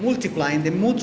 mencubah sinergi mutu